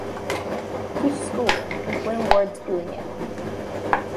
I teach school, and win awards doing it.